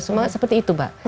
semua seperti itu mbak